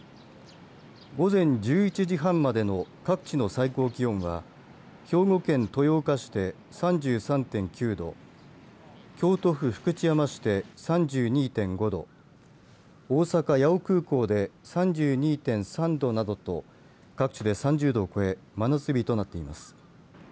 午前１１時半までの各地の最高気温は兵庫県豊岡市で３３．９度京都府福知山市で３２．５度大阪八尾空港で３２．３度などと各地で３０度を超え真夏日となっています。